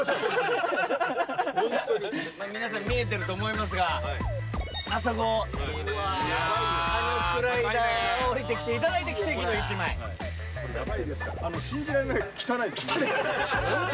ホントに皆さん見えてると思いますがあそこあのスライダーをおりてきていただいて奇跡の１枚これやばいですから汚いですホント？